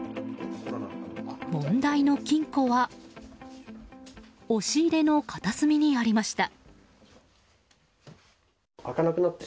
問題の金庫は押し入れの片隅にありました。